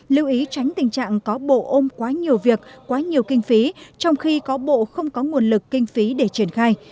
lưu ý tránh tình trạng có bộ ôm quá nhiều việc quá nhiều kinh phí trong khi có bộ không có nguồn lực kinh phí để triển khai